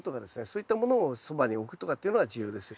そういったものをそばに置くとかっていうのが重要です。